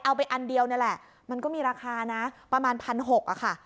เอาไปอันเดียวนี่แหละมันก็มีราคานะประมาณพันหกอ่ะค่ะ